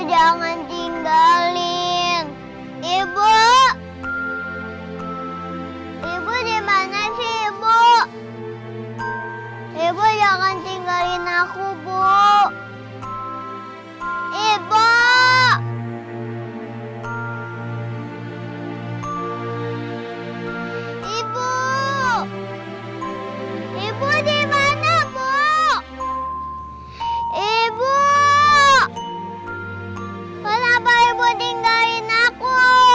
kenapa ibu tinggalin aku